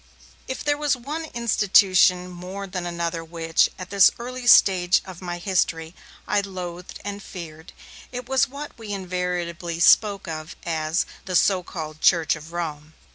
If there was one institution more than another which, at this early stage of my history, I loathed and feared, it was what we invariably spoke of as 'the so called Church of Rome'.